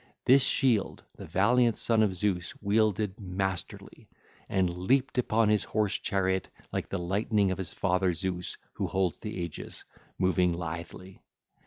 This shield the valiant son of Zeus wielded masterly, and leaped upon his horse chariot like the lightning of his father Zeus who holds the aegis, moving lithely.